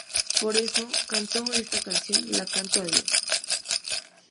Por eso canto esta canción, La Canto a Dios.